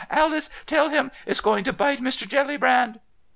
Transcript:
Alice, tell him. It's going to bite Mr. Jellybrand."